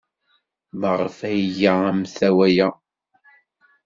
Maɣef ay iga amtawa-a?